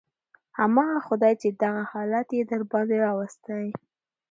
همغه خداى چې دغه حالت يې درباندې راوستى.